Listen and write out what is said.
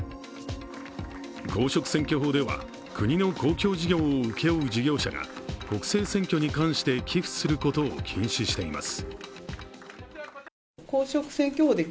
公職選挙法では国の公共事業を請け負う事業者が国政選挙に関して寄付することを禁止しています。